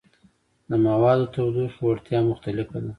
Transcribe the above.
د موادو تودوخې وړتیا مختلفه ده.